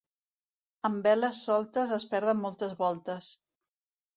Amb veles soltes es perden moltes voltes.